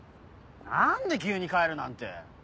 何で急に帰るなんて。